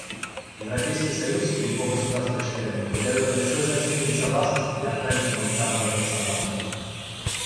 Европейский союз и его государства-члены придают большое значение безопасности и охране гуманитарного персонала.